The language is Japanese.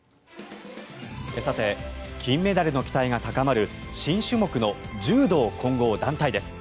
金メダルの期待が高まる新種目の柔道混合団体です。